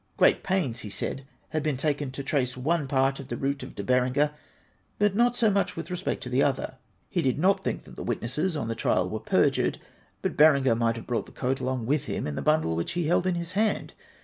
Great pains, he said, had been taken to trace one part of the route of De Berenger ; but not so much vcith respect to the other. He did not think that the witnesses on the trial were perjured ; but Berenger might have brought the coat along with him in the bundle which he held in his hand.